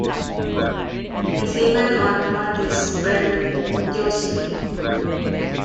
The female counterpart is spelled "Jocelyne".